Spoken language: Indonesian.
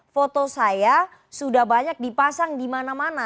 foto saya sudah banyak dipasang di mana mana